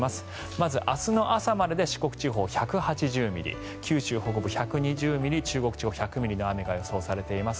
まず明日の朝までで四国地方１８０ミリ九州北部、１２０ミリ中国地方、１００ミリの雨が予想されています。